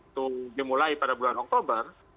itu dimulai pada bulan oktober